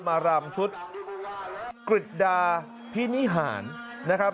รำชุดกริจดาพินิหารนะครับ